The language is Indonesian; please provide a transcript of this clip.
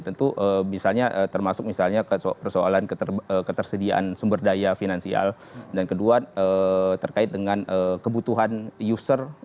tentu misalnya termasuk misalnya persoalan ketersediaan sumber daya finansial dan kedua terkait dengan kebutuhan user